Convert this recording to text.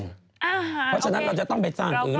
เพราะฉะนั้นเราจะต้องไปสร้างพื้น